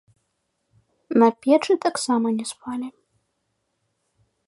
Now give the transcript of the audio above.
На печы таксама не спалі.